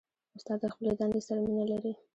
استاد د خپلې دندې سره مینه لري.